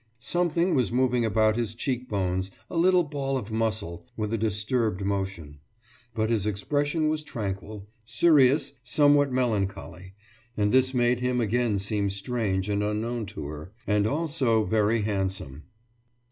Something was moving about his cheekbones, a little ball of muscle, with a disturbed motion; but his expression was tranquil, serious, somewhat melancholy. And this made him again seem strange and unknown to her and also very handsome.